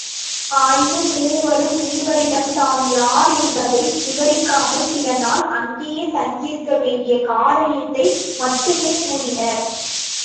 ஆயினும் மூவரும் முனிவரிடம் தாம் யாரென்பதை விவரிக்காமல் சில நாள் அங்கே தங்கியிருக்க வேண்டிய காரியத்தை மட்டுமே கூறினர்.